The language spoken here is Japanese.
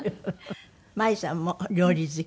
舞さんも料理好き？